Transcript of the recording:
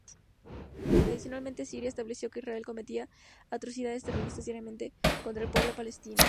Adicionalmente, Siria estableció que Israel cometía "atrocidades terroristas" diariamente contra el pueblo palestino.